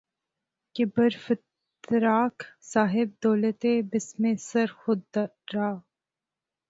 کہ بر فتراک صاحب دولتے بستم سر خود را